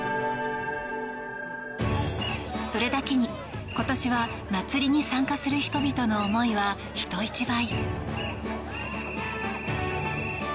それだけに今年は祭りに参加する人々の思いは人一倍。